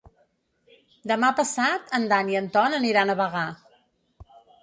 Demà passat en Dan i en Ton aniran a Bagà.